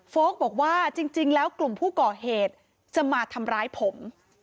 บอกว่าจริงแล้วกลุ่มผู้ก่อเหตุจะมาทำร้ายผม